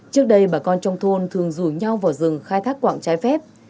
trước đây bà con trong thôn thường rủ nhau vào rừng khai thác quảng trái phép